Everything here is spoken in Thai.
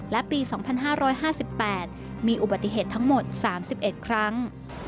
และปี๒๕๕๘มีอุบัติเหตุทั้งหมด๓๑ครั้ง